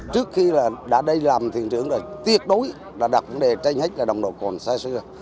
trước khi là đã đây làm thượng trưởng rồi tiệt đối đã đặt vấn đề tranh hách nồng độ côn xã xưa